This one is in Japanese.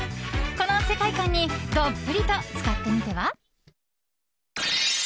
この世界観にどっぷりと浸かってみては？